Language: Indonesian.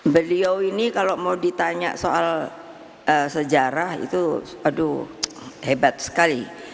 beliau ini kalau mau ditanya soal sejarah itu aduh hebat sekali